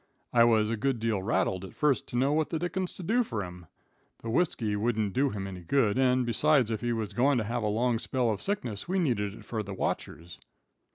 I was a good deal rattled at first to know what the dickens to do fur him. The whiskey wouldn't do him any good, and, besides, if he was goin' to have a long spell of sickness we needed it for the watchers.